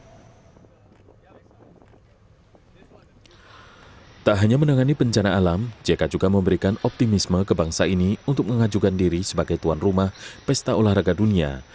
setelah menangani bencana alam jk juga memberikan optimisme kebangsa ini untuk mengajukan diri sebagai tuan rumah pesta olahraga dunia